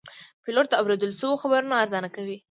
پیلوټ د اورېدل شوو خبرونو ارزونه کوي.